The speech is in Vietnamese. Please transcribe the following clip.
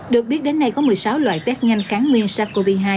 được biết đến nay có một mươi sáu loại test nhanh kháng nguyên sars cov hai